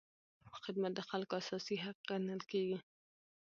خدمت د خلکو اساسي حق ګڼل کېږي.